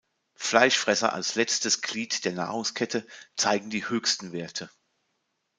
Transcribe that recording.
Fleischfresser als letztes Glied der Nahrungskette, zeigen die höchsten Werte.